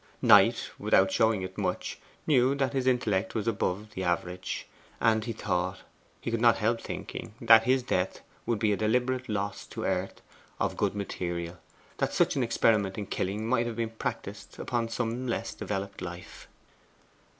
Knight, without showing it much, knew that his intellect was above the average. And he thought he could not help thinking that his death would be a deliberate loss to earth of good material; that such an experiment in killing might have been practised upon some less developed life.